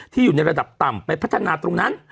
อยู่ในระดับต่ำไปพัฒนาตรงนั้น